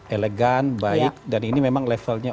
elegan baik dan ini memang levelnya